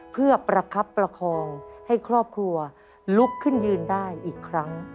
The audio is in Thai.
เพื่อประคับประคองให้ครอบครัวลุกขึ้นยืนได้อีกครั้ง